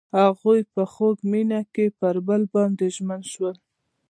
هغوی په خوږ مینه کې پر بل باندې ژمن شول.